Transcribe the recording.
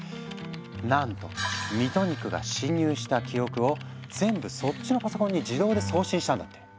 なんとミトニックが侵入した記録を全部そっちのパソコンに自動で送信したんだって。